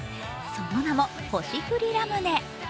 その名もホシフリラムネ。